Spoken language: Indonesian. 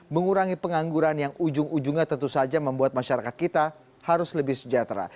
mengurangi pengangguran yang ujung ujungnya tentu saja membuat masyarakat kita harus lebih sejahtera